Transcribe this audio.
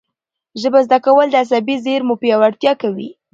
ژبه زده کول د عصبي زېرمو پیاوړتیا کوي.